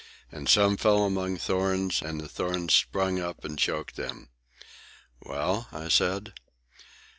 And some fell among thorns, and the thorns sprung up and choked them." "Well?" I said.